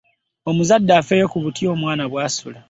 Omuzadde afeeyo ku butya omwana bw'asula.